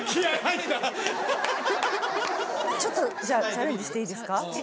ちょっとじゃあチャレンジしていいですか？